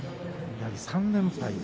やはり３連敗。